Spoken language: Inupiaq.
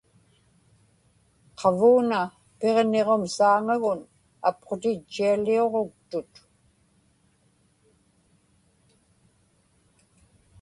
qavuuna Piġniġum saaŋagun apqutitchialiuġuktut